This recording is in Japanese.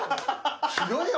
ひどいよ！